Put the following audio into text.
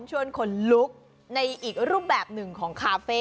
ชวนคนลุกในอีกรูปแบบหนึ่งของคาเฟ่